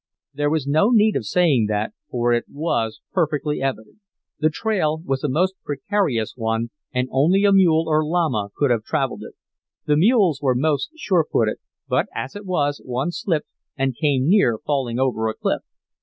There was no need of saying that, for it was perfectly evident. The trail was a most precarious one, and only a mule or llama could have traveled it. The mules were most sure footed, but, as it was, one slipped, and came near falling over a cliff.